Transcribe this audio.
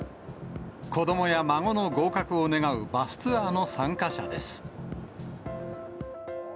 子どもや孫の合格を願うバスツアーの参加者です。